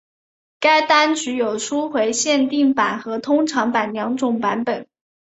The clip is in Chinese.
该单曲有初回限定版和通常版两种版本。